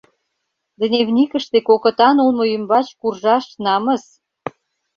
Дневникыште кокытан улмо ӱмбач куржаш намыс.